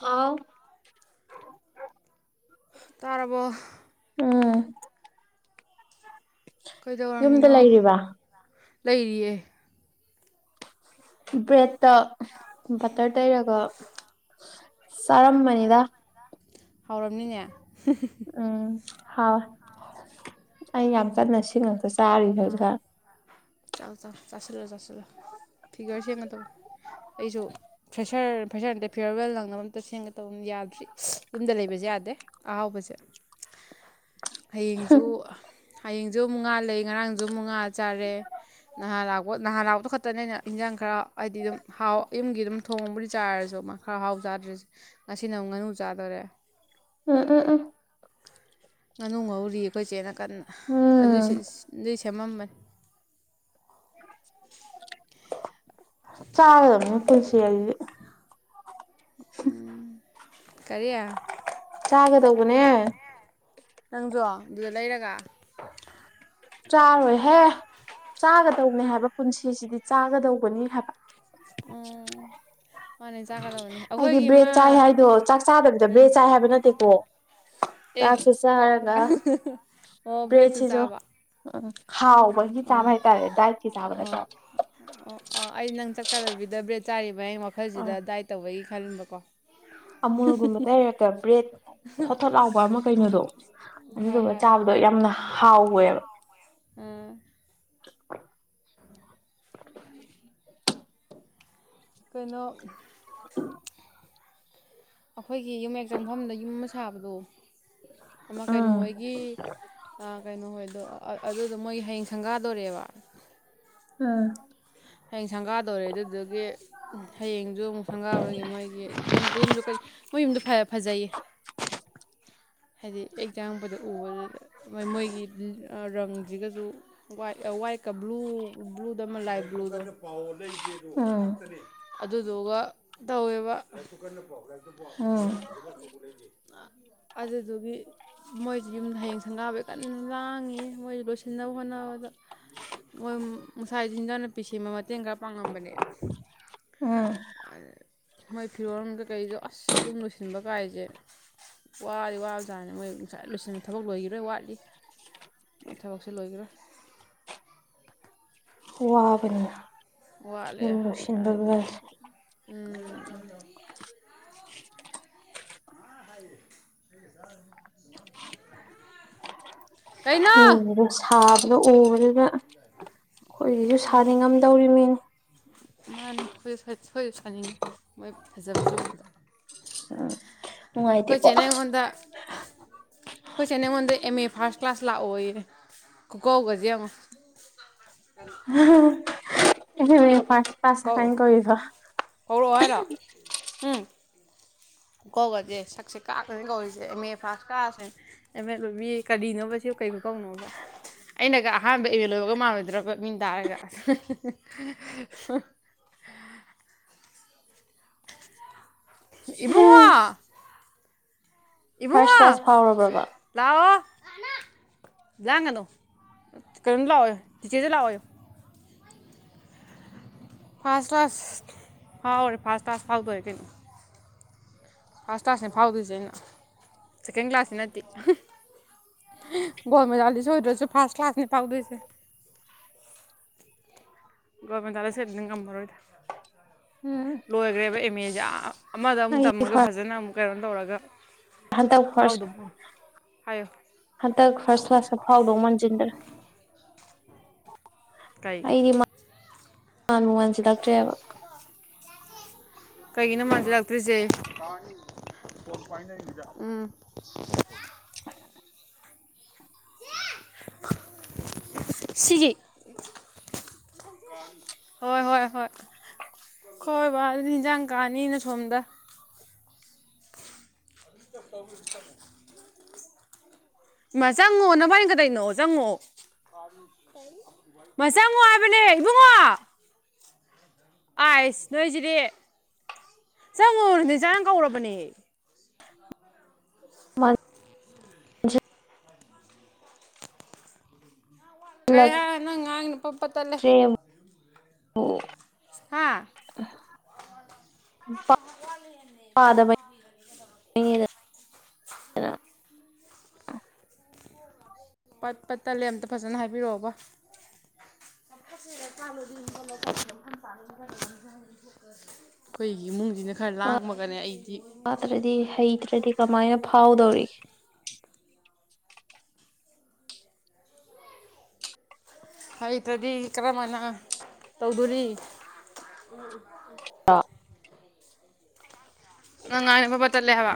ꯍꯥꯎ ꯇꯥꯔꯕꯣ ꯎꯝ ꯌꯨꯝꯗ ꯀꯩꯗꯧꯔꯝꯃꯤꯅꯣ ꯂꯩꯔꯤꯕ ꯂꯩꯔꯤꯌꯦ ꯕ꯭ꯔꯦꯠꯇ ꯕꯠꯇꯔ ꯇꯩꯔꯒ ꯆꯥꯔꯝꯕꯅꯤꯗ ꯍꯥꯎꯔꯝꯅꯤꯅꯦ ꯎꯝ ꯍꯥꯎꯋꯦ ꯑꯩ ꯌꯥꯝ ꯀꯟꯅ ꯁꯤꯡꯉꯥꯒ ꯆꯥꯔꯤ ꯍꯧꯖꯤꯛꯒꯥꯟ ꯆꯥꯎ ꯆꯥꯎ ꯆꯥꯁꯤꯜꯂꯣ ꯆꯥꯁꯤꯜꯂꯣ ꯐꯤꯒꯔ ꯁꯦꯝꯒꯗꯝꯅꯦ ꯑꯩꯁꯨ ꯐ꯭ꯔꯦꯁꯔ ꯐ꯭ꯔꯦꯁꯔ ꯅꯠꯇꯦ ꯐꯤꯌꯔꯋꯦꯜ ꯅꯪꯅꯕ ꯑꯝꯇ ꯁꯦꯝꯒꯦ ꯇꯧꯕ ꯌꯥꯗ꯭ꯔꯤ ꯌꯨꯝꯗ ꯂꯩꯕꯁꯦ ꯌꯥꯗꯦ ꯑꯍꯥꯎꯕꯖꯦ [inaudible] ꯍꯌꯦꯡꯁꯨ ꯍꯌꯦꯡꯁꯨ ꯃꯨꯛ ꯉꯥ ꯂꯩ ꯉꯔꯥꯡꯁꯨ ꯃꯨꯛ ꯉꯥ ꯆꯥꯔꯦ ꯅꯍꯥꯜ ꯂꯥꯛꯄ ꯅꯍꯥꯜ ꯂꯥꯛꯄꯗꯣ ꯈꯛꯇꯅꯦꯅ ꯏꯟꯖꯥꯡ ꯈꯔ ꯍꯥꯏꯗꯤ ꯑꯗꯨꯝ ꯍꯥꯎ ꯌꯨꯝꯒꯤ ꯑꯗꯨꯝ ꯊꯣꯡꯕꯨꯗꯤ ꯆꯥꯔꯁꯨ ꯑꯃ ꯈꯔ ꯍꯥꯎ ꯆꯥꯗ꯭ꯔꯤꯁꯦ ꯉꯁꯤꯅ ꯑꯃꯨꯛ ꯉꯥꯅꯨ ꯆꯥꯗꯣꯔꯦ ꯎꯝ ꯎꯝ ꯎꯝ ꯉꯥꯅꯨ ꯉꯧꯔꯤ ꯑꯩꯈꯣꯏ ꯆꯦꯅ ꯀꯟꯅ ꯑꯗꯨ ꯎꯝ ꯑꯗꯨꯏ ꯁꯦꯝꯃꯝꯕꯅꯤ ꯆꯥꯒꯗꯧꯅꯤ ꯄꯨꯟꯁꯤ ꯍꯥꯢꯁꯤꯗꯤ ꯎꯝ ꯀꯔꯤꯌꯥ ꯆꯥꯒꯗꯧꯕꯅꯦ ꯅꯪꯖꯣ ꯑꯗꯨꯗ ꯂꯩꯔꯒ ꯆꯥꯔꯣꯏꯍꯦ ꯆꯥꯒꯗꯧꯅꯦ ꯍꯥꯏꯕ ꯄꯨꯟꯁꯤꯁꯤꯗꯤ ꯆꯥꯒꯗꯧꯕꯅꯤ ꯍꯥꯏꯕ ꯎꯝ ꯃꯥꯅꯦ ꯆꯥꯒꯗꯕꯅꯦ ꯑꯩꯗꯤ ꯑꯩꯈꯣꯏꯒꯤ ꯕ꯭ꯔꯦꯠ ꯆꯥꯏ ꯃꯥ ꯍꯥꯏꯗꯣ ꯆꯥꯛ ꯆꯥꯗꯕꯤꯗ ꯎꯝ ꯕ꯭ꯔꯦꯠ ꯆꯥꯏ ꯍꯥꯏꯕ ꯅꯠꯇꯦꯀꯣ ꯑꯦ ꯆꯥꯛꯁꯨ ꯆꯔꯒ ꯑꯣ ꯕ꯭ꯔꯦꯗꯁꯨ ꯕ꯭ꯔꯦꯠꯁꯤꯁꯨ ꯆꯥꯕ ꯎꯝ ꯍꯥꯎꯕꯒꯤ ꯑꯥ ꯆꯥꯕ ꯍꯥꯏꯇꯥꯔꯦ ꯗꯥꯏꯠꯀꯤ ꯆꯥꯕ ꯅꯠꯇꯦ ꯑꯣ ꯑꯣ ꯑꯥ ꯑꯩ ꯅꯪ ꯆꯥꯛ ꯆꯥꯗꯕꯤꯗ ꯕ꯭ꯔꯦꯠ ꯆꯥꯔꯤꯕꯅ ꯑ ꯋꯥꯈꯜꯁꯤꯗ ꯗꯥꯏꯠ ꯇꯧꯕꯒꯤ ꯈꯟꯕꯀꯣ ꯑꯃꯨꯜꯒꯨꯝꯕ ꯇꯩꯔꯒ ꯕ꯭ꯔꯦꯠ ꯊꯣꯠ ꯊꯣꯠ ꯂꯥꯎꯕ ꯑꯃ ꯀꯩꯅꯣꯗꯣ ꯍꯣꯏ ꯑꯗꯨꯗꯨꯒ ꯍꯣꯏ ꯆꯥꯕꯗꯣ ꯌꯥꯝꯅ ꯍꯥꯎꯋꯦꯕ ꯎꯝ ꯎꯝ [inaudible] ꯀꯩꯅꯣ ꯎꯝ [inaudible] ꯑꯩꯈꯣꯏꯒꯤ ꯌꯨꯝꯌꯦꯛ ꯆꯪꯐꯝꯗ ꯌꯨꯝ ꯑꯃ ꯁꯥꯕꯗꯣ ꯑꯃ ꯎꯝ ꯀꯩꯅꯣꯍꯣꯏꯒꯤ ꯀꯩꯅꯣꯍꯣꯏꯗꯣ ꯑꯗꯨꯗꯣ ꯃꯣꯏꯒꯤ ꯍꯌꯦꯡ ꯁꯪꯒꯥꯗꯣꯔꯦꯕ ꯎꯝ ꯍꯌꯦꯡ ꯁꯪꯒꯥꯗꯧꯔꯦ ꯑꯗꯨꯗꯨꯒꯤ ꯍꯌꯦꯡꯁꯨ ꯑꯃꯨꯛ ꯁꯪꯒꯥꯕꯒꯤ ꯃꯣꯏꯒꯤ ꯌꯨꯝ ꯌꯨꯝꯁꯨ ꯀꯩ ꯃ‌ꯣꯏ ꯌꯨꯝꯗꯨ ꯐꯖꯩꯌꯦ ꯍꯥꯏꯗꯤ ꯌ‌ꯦꯛ ꯆꯪꯉꯛꯄꯗ ꯎꯕꯗꯨꯗ ꯃꯣꯏꯒꯤ ꯔꯪꯁꯤꯒꯁꯨ ꯋꯥꯏꯠ ꯑꯥ ꯋꯥꯏꯠꯀ ꯕ꯭ꯂꯨ ꯕ꯭ꯂꯨꯗ ꯑꯃꯥ ꯂꯥꯏꯇ ꯕ꯭ꯂꯨꯗ‌ꯣ [unintelligible] ꯄꯥꯎꯋ‌ꯣ ꯂꯩꯒ‌ꯦꯕꯨ ꯉꯍꯥꯛꯇꯅ‌ꯦ ꯑꯗꯨꯗꯨꯒ ꯇꯧꯋꯦꯕ ꯎꯝ ꯑ ꯑꯗꯨꯗꯨꯒꯤ ꯃꯣꯏꯁꯤ ꯌꯨꯝꯖ ꯁꯪꯒꯥꯕꯩ ꯀꯟꯅ ꯂꯥꯡꯉꯤ ꯃꯣꯏꯁꯨ ꯂꯣꯏꯁꯤꯟꯅꯕ ꯍꯣꯠꯅꯕꯗ ꯃꯣꯏ ꯉꯁꯥꯏꯁꯨ ꯏꯟꯖꯡꯅꯥꯄꯤ ꯁꯦꯝꯕ ꯃꯇꯦꯡ ꯈꯔ ꯄꯥꯡꯉꯝꯕꯅꯦ ꯎꯝ ꯃꯣꯏ ꯐꯤꯔꯣꯜ ꯀꯩ-ꯀꯩꯗ‌ꯣ ꯑꯁ ꯌꯨꯝ ꯂꯣꯏꯁꯤꯟꯕ ꯀꯥꯏꯁꯦ ꯋꯥꯗꯤ ꯋꯥꯕ ꯖꯥꯠꯅ‌ꯦ ꯃꯣꯏ ꯉꯁꯥꯏ ꯂꯣꯏꯁꯤꯟꯕ ꯊꯕꯛ ꯂꯣꯏꯈꯤꯔꯣꯏ ꯋꯥꯠꯂꯤ ꯃꯣꯏ ꯊꯕꯛꯁꯦ ꯂꯣꯏꯈꯤꯔꯣꯏ ꯋꯥꯕꯅꯤꯅ‌ꯦ ꯋꯥꯠꯂꯦ ꯌꯨꯝ ꯍꯥꯏꯗꯤ ꯂꯣꯏꯁꯤꯟꯕꯒꯁꯦ ꯎꯝ [unintelligible] ꯈꯪꯗ‌ꯦꯗ ꯁꯥꯕꯅ ꯎꯪꯕꯁꯤꯗ ꯈꯣꯏꯒꯤꯁꯨ ꯁꯥꯅꯤꯡꯉꯝꯗꯧꯔꯤꯃꯤꯅ‌ꯦ ꯃꯥꯅꯤ ꯈ‌ꯣꯏ ꯈ‌ꯣꯏꯁꯨ ꯁꯥꯅꯤꯡ ꯃꯣꯏ ꯐꯖꯕꯁ‌ꯦ ꯎꯕꯗ ꯑ ꯈ‌ꯣꯏ ꯆ‌ꯦꯅ ꯑꯩꯉꯣꯟꯗ ꯈꯣꯏ ꯆ‌ꯦꯅ ꯑꯩꯉꯣꯟꯗ ꯑꯦꯝ ꯑꯦ ꯐꯥꯔꯁ ꯀ꯭ꯂꯥꯁ ꯂꯥꯛꯑꯣ ꯌ‌ꯦ ꯈꯨꯀꯧꯒꯁꯦ ꯌ‌ꯦꯡꯎ ꯍ ꯍ ꯑ‌ꯦꯝ ꯑꯦ ꯐꯥꯔꯁ ꯀ꯭ꯂꯥꯁ ꯍꯥꯏꯅ‌‌ ꯀꯧꯌ‌ꯦꯕ ꯀꯧꯔꯛ ꯑꯣ ꯍꯥꯏꯔ‌ꯣ ꯍꯨꯝ ꯈꯨꯀꯧꯒꯁꯦ ꯁꯛꯁꯦ ꯀꯥꯛꯅꯅꯤ ꯀꯧꯔꯤꯁꯦ ꯑꯦꯝ ꯑꯦ ꯐꯥꯔꯁ ꯀꯥꯥ꯭ꯂꯁ ꯅ ꯑ‌ꯦꯃꯦꯠ ꯂ‌ꯣꯏꯕꯤ ꯀꯔꯤꯅꯣꯕ ꯁꯤ ꯀꯩ ꯈꯨꯀꯧꯅꯣꯕ ꯑꯩꯅꯒ ꯑꯍꯥꯟꯕ ꯑꯦꯝ ꯑꯦ ꯂ‌ꯣꯏꯕꯒ ꯃꯥꯟꯂꯣꯏꯗ꯭ꯔꯕ ꯃꯤ ꯇꯥꯔꯒ ꯏꯕꯨꯡꯉꯣ ꯐꯥꯔꯁ ꯏꯕꯨꯡꯉꯣ ꯀ꯭ꯂꯥꯁ ꯐꯥꯎꯔꯕ꯭ꯔꯕ ꯂꯥꯛꯑꯣ ꯂꯥꯡꯒꯗꯣ ꯀꯩꯅꯣꯝ ꯂꯥꯛꯑꯣ ꯆꯤꯆꯦꯖꯨ ꯂꯥꯛꯑꯣ ꯎ ꯐꯥꯔꯁ ꯀꯥ꯭ꯂꯁ ꯐꯥꯎꯔꯦ ꯐꯥꯔꯁ ꯀꯥ꯭ꯂꯁ ꯐꯥꯎꯗꯧꯔ‌ꯦ ꯀꯩꯅꯣ ꯐꯥꯔꯁ ꯀ꯭ꯂꯥꯁꯅꯦ ꯐꯥꯎꯗꯣꯏꯁꯦ ꯑꯩꯅ ꯁꯦꯀꯦꯟ ꯀ꯭ꯂꯥꯁꯇꯤ ꯅꯠꯇꯦ ꯒꯣꯜ ꯃꯦꯗꯥꯜꯂꯤꯁ ꯑꯣꯏꯗ꯭ꯔꯁꯨ ꯐꯥꯔꯁ ꯀ꯭ꯂꯥꯁꯅꯤ ꯄꯥꯎꯗꯣꯏꯁꯦ ꯒ‌ꯣꯜ ꯃꯦꯗꯥꯜꯂꯤꯁ ꯀꯥꯏꯗꯨꯗꯤ ꯉꯝꯃꯔ‌ꯣꯏꯗ ꯎꯝ ꯂꯣꯏꯒ꯭ꯔꯦꯕ ꯑꯦꯝ ꯑꯦꯁꯦ ꯑꯃꯗ ꯑꯃꯨꯛ ꯑꯩꯗꯤ ꯇꯝꯃꯒ ꯐꯥꯔꯁ ꯐꯖꯅ ꯑꯃꯨꯛ ꯀꯩꯅꯣ ꯇꯧꯔꯒ ꯍꯟꯗꯛ ꯐꯥꯔꯁ ꯐꯥꯎꯗꯕ ꯍꯥꯏꯌꯣ ꯍꯟꯇꯛ ꯐꯥꯔꯁ ꯀ꯭ꯂꯥꯁꯇ ꯐꯥꯎꯗꯧ ꯃꯟꯖꯤꯟꯂꯛ ꯀꯩꯒꯤ ꯑꯩꯗꯤ‌ꯃꯥꯟ ꯃꯥꯟꯕꯨ ꯃꯥꯟꯖꯤꯟꯂꯛꯇ꯭ꯔ‌ꯦꯕ ꯀꯩꯒꯤꯅꯣ ꯃꯥꯥꯟꯖꯤꯜꯂꯛꯇ꯭ꯔꯤꯁꯦ ꯎꯝ ꯁꯤꯒꯤ ꯍꯣꯏ ꯍꯣꯏ ꯍꯣꯏ ꯈ‌ꯣꯏꯕꯥꯅꯗꯤ ꯏꯟꯖꯥꯡ ꯀꯥꯅꯤꯅ ꯁꯣꯝꯗ [unintelligible] ꯆꯪꯉꯣ ꯅꯕꯥꯏꯅꯤ ꯀꯩꯗꯧꯅꯣ ꯆꯪꯉ‌ꯣ ꯀꯩ [unintelligible] ꯆꯪꯉ‌ꯣ ꯍꯥꯏꯕꯅꯦ ꯏꯕꯨꯡꯉꯣ ꯑꯥꯁ ꯅꯣꯏꯁꯤꯗꯤ ꯆꯪꯉꯣ ꯅꯦꯆꯥꯅ ꯀꯧꯔꯕꯅꯦ [unintelligible] ꯀꯩ ꯃꯥꯟꯁꯤꯜꯂꯛꯇ꯭ꯔꯦꯕꯨ ꯍꯥꯏ ꯅꯪ ꯉꯥꯡꯅꯤ ꯄꯠ ꯄꯠ ꯇꯠꯂꯦ ꯑꯣ ꯍꯥ ꯄꯥ ꯄꯥꯗꯕꯩ ꯅꯦꯗ ꯄꯠ ꯄꯠ ꯇꯠꯂꯦ ꯑꯃꯝꯇ ꯐꯖꯅ ꯍꯥꯏꯕꯤꯔꯛꯑꯣꯕ [inaudible] ꯑꯩꯈꯣꯏꯒꯤ ꯏꯃꯨꯡꯁꯤꯅ ꯈꯔ ꯂꯥꯡꯃꯒꯅꯦ ꯑꯩꯗꯤ ꯄꯥꯇ꯭ꯔꯗꯤ ꯍꯩꯇ꯭ꯔꯗꯤ ꯀꯃꯥꯏꯅ ꯐꯥꯎꯗꯧꯔꯤꯒꯦ ꯍꯩꯇ꯭ꯔꯗꯤ ꯀꯔꯝ ꯍꯥꯏꯅ ꯇꯧꯗꯣꯔꯤ ꯑ ꯅꯪ ꯉꯥꯡꯏꯗꯣ ꯄꯠꯄꯠ ꯇꯠꯂꯦ ꯍꯥꯏꯕ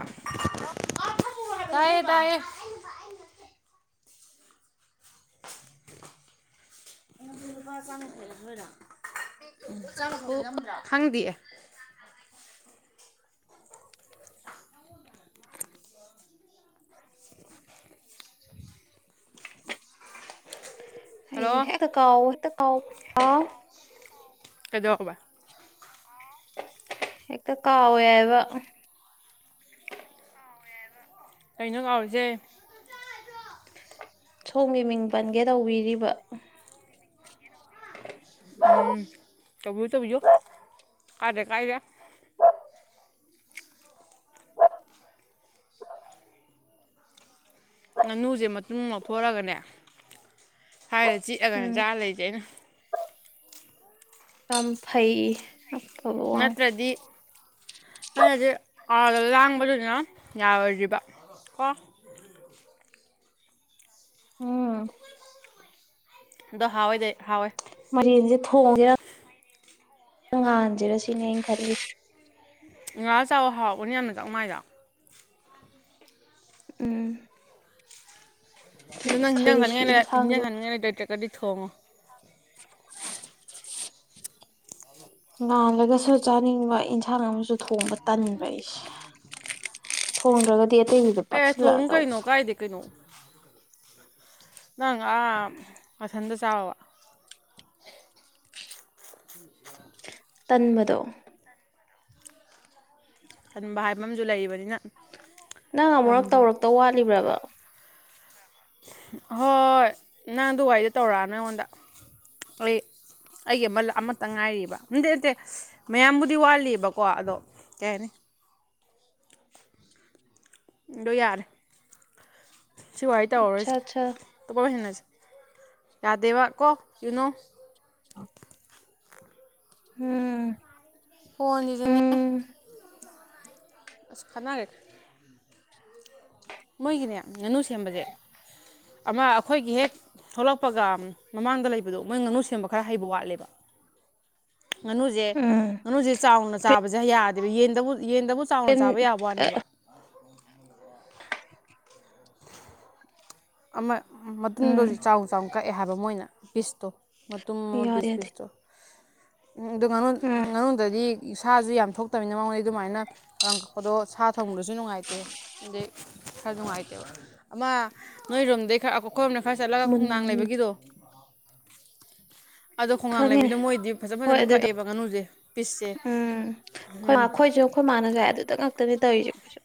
ꯇꯥꯏꯌꯦ ꯇꯥꯏꯌꯦ [unintelligible] ꯂꯨꯄꯥ ꯆꯥꯝꯌꯥꯡꯈꯩ ꯑꯣ ꯂꯧꯊꯣꯛꯏꯔꯥ [unintelligible] ꯈꯪꯗꯤꯌꯦ ꯍꯜꯂꯣ ꯑꯩꯁꯦ ꯍꯦꯛꯇ ꯀꯥꯎꯕ ꯍꯦꯛꯇ ꯀꯥꯎ ꯀꯥꯎ ꯀꯩꯗꯧꯕ ꯍꯦꯛꯇ ꯀꯥꯎꯋꯦ ꯍꯥꯏꯕ ꯀꯩꯅꯣ ꯀꯥꯎꯔꯤꯁꯦ ꯁꯣꯝꯒꯤ ꯃꯤꯡ ꯄꯟꯒꯦ ꯇꯧꯕꯤꯔꯤꯕ ꯎꯝ ꯇꯧꯕꯤꯌꯨ ꯇꯧꯕꯤꯌꯨ ꯀꯥꯏꯗꯦ ꯀꯥꯏꯗꯦ ꯉꯥꯅꯨꯁꯦ ꯃꯇꯨꯝ ꯂꯧꯊꯣꯔꯛꯑꯒꯅꯦ ꯁꯥꯏꯗ ꯆꯤꯛꯑꯒꯅꯦ ꯎꯝ ꯆꯥꯔ ꯂꯩꯁꯦ ꯑꯩꯅ ꯌꯥꯝ ꯐꯩꯌꯦ ꯅꯠꯇ꯭ꯔꯗꯤ ꯅꯇꯗꯤ ꯑꯥꯗ ꯂꯥꯡꯕꯅꯤꯅ ꯌꯥꯔꯣꯏꯗ꯭ꯔꯤꯕ ꯀꯣ ꯎꯝ ꯑꯗꯣ ꯍꯥꯎꯋꯦꯗꯦ ꯍꯥꯎꯋꯦ ꯃꯔꯦꯟꯁꯦ ꯊꯣꯡꯁꯤꯔꯥ ꯉꯥꯟꯁꯤꯔꯥ ꯁꯤꯅꯦ ꯑꯩꯅ ꯈꯜꯂꯤꯁꯦ ꯉꯥꯜꯂ ꯆꯥꯎꯑꯣ ꯍꯥꯎꯕꯅꯤ ꯌꯥꯝꯅ ꯆꯥꯛꯃꯥꯏꯗ ꯎꯝ ꯑꯗꯣꯅꯪ ꯍꯤꯡꯖꯥꯡ ꯈꯜꯂꯤꯁꯤ ꯆꯥꯅꯤꯡꯉꯥꯏ ꯂꯩ ꯍꯤꯡꯖꯥꯡ ꯏꯟꯁꯥꯡꯁꯨ ꯆꯥꯅꯤꯡꯉꯥꯏ ꯂꯩꯇ꯭ꯔꯒꯗꯤ ꯊꯣꯡꯉꯣ [inaudible] ꯉꯥꯡꯂꯒꯁꯨ ꯆꯥꯅꯤꯡꯕ ꯏꯟꯁꯥꯡ ꯑꯃꯁꯨ ꯊꯣꯡꯕ ꯇꯟꯕ ꯑꯩꯁꯦ ꯊꯣꯡꯗ꯭ꯔꯒꯗꯤ ꯑꯇꯩꯒꯤꯗ ꯑꯦ ꯊꯣꯡꯉꯨ ꯀꯩꯅꯣ ꯀꯥꯏꯗꯦ ꯀꯩꯅꯣ ꯅꯪ ꯑꯥ ꯅꯊꯟꯗ ꯆꯥꯕꯕꯨ [inaudible] ꯇꯟꯕꯗꯣ ꯊꯟꯕ ꯍꯥꯏꯕ ꯑꯃꯁꯨ ꯂꯩꯔꯤꯕꯅꯤꯅ ꯅꯪ ꯑꯃꯨꯔꯛ ꯇꯧꯔꯛꯇꯧ ꯋꯥꯠꯂꯤꯕ꯭ꯔꯕ ꯍꯣꯏ ꯅꯪ ꯑꯗꯨ ꯋꯥꯔꯤꯗꯣ ꯇꯧꯔꯛꯑꯅꯨ ꯑꯩꯉꯣꯟꯗ ꯑꯩ ꯑꯩꯒꯤ ꯑꯃ ꯑꯃꯇꯪ ꯉꯥꯏꯔꯤꯕ ꯅꯗꯦ ꯅꯠꯇꯦ ꯃꯌꯥꯝꯕꯨꯗꯤ ꯋꯥꯠꯂꯤꯕꯀꯣ ꯑꯗꯣ ꯀꯩ ꯍꯥꯏꯅꯤ ꯑꯗꯣ ꯌꯥꯔꯦ ꯁꯤ ꯋꯥꯔꯤ ꯇꯧꯔꯔꯣꯏꯁꯦ ꯑꯇꯣꯞꯄ ꯋꯥꯔꯤ ꯁꯥꯟꯅꯁꯤ ꯌꯥꯗꯦꯕ ꯀꯣ ꯌꯨꯅꯣ ꯎꯝ ꯐꯣꯟꯁꯤꯁꯨꯅꯦ ꯎꯝ ꯑꯁ ꯈꯠꯅꯒ꯭ꯔꯦ ꯃꯣꯏꯒꯤꯅꯦ ꯉꯥꯅꯨ ꯁꯦꯝꯕꯁꯦ ꯑꯃ ꯑꯩꯈꯣꯏꯒꯤ ꯍꯦꯛ ꯊꯣꯛꯂꯛꯄꯒ ꯃꯃꯥꯡꯗ ꯂꯩꯕꯗꯣ ꯃꯣꯏ ꯉꯥꯅꯨ ꯁꯦꯝꯕ ꯈꯔ ꯍꯩꯕ ꯋꯥꯠꯂꯦꯕ [inaudible] ꯉꯥꯅꯨꯁꯦ ꯎꯝ ꯉꯥꯅꯨꯁꯦ ꯆꯥꯎꯅ ꯆꯥꯕꯁꯦ ꯌꯥꯗꯦꯕ ꯌꯦꯟꯗꯕꯨ ꯌꯦꯟꯗꯕꯨ ꯆꯥꯎꯅ ꯀꯩꯟ ꯆꯥꯕ ꯌꯥꯕ ꯑ ꯋꯥꯅꯦꯕ [inaudible] [inaudible] ꯑꯃ ꯃꯇꯨꯝꯗꯣ [unintelligible] ꯎꯝ ꯆꯥꯎ ꯆꯥꯎꯅ ꯀꯛꯑꯦ ꯍꯥꯏꯕ ꯃꯣꯏꯅ ꯄꯤꯁꯇꯣ ꯃꯇꯨꯝ ꯑꯃ ꯌꯥꯗꯦ ꯄꯤꯁ ꯌꯥꯗꯦ ꯄꯤꯁꯇꯣ ꯎ ꯑꯗꯨ ꯉꯥꯅꯨ ꯎꯝ ꯉꯥꯅꯨꯗꯗꯤ ꯏꯁꯥꯁꯨ ꯌꯥꯝ ꯊꯣꯛꯇꯃꯤꯅ ꯃꯉꯣꯟꯗ ꯑꯗꯨꯃꯥꯏꯅ [unintelligible] ꯀꯛꯄꯗꯣ ꯁꯥ ꯊꯪꯕꯗꯁꯨ ꯅꯨꯡꯉꯥꯏꯇꯦ ꯑꯗꯩ ꯈꯔ ꯅꯨꯡꯉꯥꯏꯇꯦꯕ ꯑꯃ ꯅꯣꯏꯔꯣꯝꯗꯩ ꯈꯔ ꯑꯩꯈꯣꯏꯔꯣꯝꯅ ꯈꯔ ꯆꯠꯂꯒ ꯃꯨꯟ ꯈꯣꯡꯅꯥꯡ ꯂꯩꯕꯒꯤꯗꯣ ꯑꯗꯣ ꯈꯣꯡꯒꯥꯡ ꯈꯪꯉꯦ ꯂꯩꯕꯤꯗꯣ ꯃꯣꯏꯗꯤ ꯐꯖ ꯍꯣꯏ ꯐꯖꯅ ꯑꯗꯨꯗꯣ ꯀꯛꯑꯦꯕ ꯉꯥꯅꯨꯁꯦ ꯄꯤꯁꯁꯦ ꯎꯝ [unintelligible] ꯑꯩꯈꯣꯏ ꯃꯥꯅꯅꯦ ꯑꯗꯨꯗ ꯉꯥꯛꯇꯅꯤ ꯇꯧꯔꯤꯁꯦ ꯈꯣꯏꯁꯨ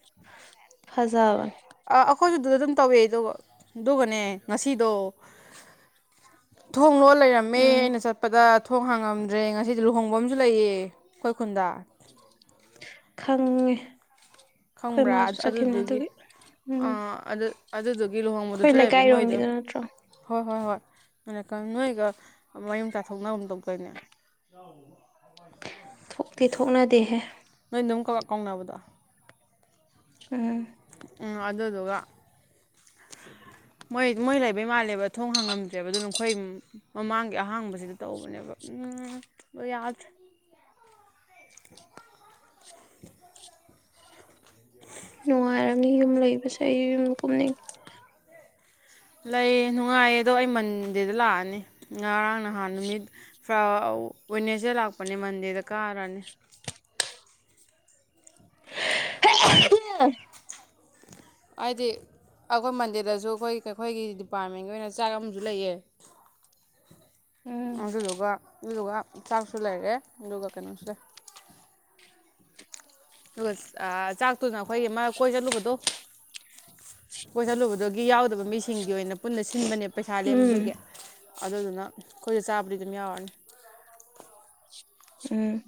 ꯐꯖꯕꯅꯦ ꯑ ꯑꯩꯈꯣꯏꯁꯨ ꯑꯗꯨꯗ ꯑꯗꯨꯝ ꯇꯧꯋꯦ ꯗꯣ ꯗꯣꯒꯅꯦ ꯑꯗꯨꯒꯅꯦ ꯉꯁꯤꯗꯣ ꯊꯣꯡ ꯂꯣꯜ ꯂꯩꯔꯝꯃꯦ ꯎꯝ ꯑꯩꯅ ꯆꯠꯄꯗ ꯊꯣꯡ ꯍꯥꯡꯉꯝꯗ꯭ꯔꯦ ꯉꯁꯤꯗꯤ ꯂꯨꯍꯣꯡꯕ ꯑꯃꯁꯨ ꯂꯩꯌꯦ ꯑꯩꯈꯣꯏ ꯈꯨꯟꯗ ꯈꯪꯉꯦ ꯑꯩꯈꯣꯏ ꯈꯪꯕ꯭ꯔꯥ ꯃꯥꯁꯨ ꯆꯠꯈꯤꯕꯅꯦ ꯑꯗꯨꯗꯨꯒꯤ ꯑꯗꯨꯒꯤ ꯎꯝ ꯑꯥ ꯑꯗꯨ ꯑꯗꯨꯗꯨꯒꯤ ꯂꯨꯍꯣꯡꯕꯗꯨꯁꯨ ꯑꯩꯈꯣꯏ ꯂꯩꯕ ꯃꯣꯏꯗꯣ ꯂꯩꯀꯥꯏꯔꯣꯝꯒꯤꯗꯣ ꯅꯠꯇ꯭ꯔꯣ ꯍꯣꯏ ꯍꯣꯏ ꯍꯣꯏ ꯑꯣꯢꯔꯛꯒꯅꯤ ꯅꯣꯏꯒ ꯃꯔꯤ ꯃꯇꯥ ꯊꯣꯛꯅꯒꯨꯝ ꯇꯧꯗꯥꯢꯅꯦ ꯑ [inaudible] ꯊꯣꯛꯇꯤ ꯊꯣꯛꯅꯗꯦꯍꯦ ꯅꯣꯏ ꯑꯗꯨꯝ ꯀꯥꯎ ꯀꯥꯎꯅꯕꯗꯣ ꯑꯝ ꯎꯝ ꯑꯗꯨꯗꯨꯒ [inaudible] ꯃꯣꯏ ꯃꯣꯏ ꯂꯩꯕꯩ ꯃꯥꯜꯂꯦꯕ ꯊꯣꯡ ꯍꯥꯡꯉꯝꯗ꯭ꯔꯦꯕ ꯑꯗꯨꯅ ꯑꯩꯈꯣꯏ ꯃꯃꯥꯡꯒꯤ ꯑꯍꯥꯡꯕꯁꯤꯗ ꯇꯧꯕꯅꯦꯕ ꯎꯝ ꯌꯥꯗ꯭ꯔꯦ ꯅꯨꯡꯉꯥꯏꯔꯝꯅꯤ ꯌꯨꯝ ꯂꯩꯕꯁꯦ ꯑꯩ ꯌꯨꯝ ꯀꯨꯝꯅꯤꯡꯌꯦ ꯂꯩ ꯅꯨꯡꯉꯥꯏꯌꯦ ꯑꯗꯣ ꯑꯩ ꯃꯟꯗꯦꯗ ꯂꯥꯛꯑꯅꯤ ꯉꯔꯥꯡ ꯅꯍꯥꯟ ꯅꯨꯃꯤꯠ ꯋꯥꯢꯅꯥꯁꯗꯦꯗ ꯂꯥꯛꯄꯅꯦ ꯃꯟꯗꯦꯗ ꯀꯥꯔꯅꯤ ꯍꯦ [unintelligible] ꯍꯥꯏꯗꯤ ꯑꯩꯈꯣꯏ ꯃꯟꯗꯦꯗꯁꯨ ꯑꯩꯈꯣꯏ ꯑꯩꯈꯣꯏꯒꯤ ꯗꯤꯄꯥꯔꯠꯃꯦꯟꯒꯤ ꯑꯣꯏꯅ ꯆꯥꯛ ꯑꯃꯁꯨ ꯂꯩꯌꯦ [inaudible] ꯑꯗꯨꯗꯨꯒ ꯑꯗꯨꯗꯨꯒ ꯆꯥꯛꯁꯨ ꯂꯩꯔꯦ ꯑꯗꯨꯒ ꯀꯩꯅꯣꯁꯨ ꯂꯩ ꯑꯗꯨꯒ ꯑꯥ ꯆꯥꯛꯇꯨꯅ ꯑꯩꯈꯣꯏꯒꯤ ꯑꯃ ꯀꯣꯏ ꯆꯜꯂꯨꯕꯗꯣ ꯀꯣꯏ ꯆꯠꯂꯨꯕꯗꯨꯒꯤ ꯌꯥꯎꯗꯕ ꯃꯤꯁꯤꯡꯒꯤ ꯑꯣꯏꯅ ꯄꯨꯟꯅ ꯁꯤꯟꯕꯅꯦꯕ ꯄꯩꯁꯥ ꯂꯦꯝꯕꯗꯨꯒꯤ ꯎꯝ ꯑꯗꯨꯗꯨꯅ ꯑꯩꯈꯣꯏꯗꯤ ꯆꯥꯕꯨꯗꯤ ꯑꯗꯨꯝ ꯌꯥꯎꯔꯅꯤ ꯎꯝ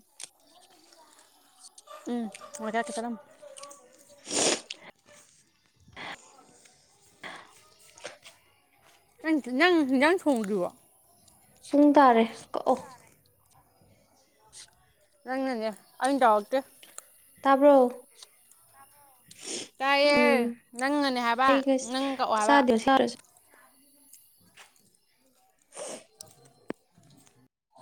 ꯎꯝ ꯑꯣꯖꯥꯇ [unintelligible] ꯁꯔꯝ [inaudible] ꯅꯪ ꯅꯪ ꯌꯦꯟꯁꯤꯡ ꯊꯣꯡꯗꯔꯤꯕꯣ ꯄꯨꯡ ꯇꯥꯔꯦ ꯀꯛꯑꯣ ꯅꯪ ꯅꯅꯦ ꯑꯩꯅ ꯇꯥꯎꯔꯛꯇꯦ ꯇꯥꯕ꯭ꯔꯣ ꯇꯥꯏꯌꯦ ꯎꯝ ꯅꯪꯅꯅꯦ ꯍꯥꯏꯕ ꯑꯩ ꯅꯪ ꯀꯛꯑꯣ ꯍꯥꯏꯕ ꯆꯥꯗꯦ ꯁꯥꯔ [unintelligible]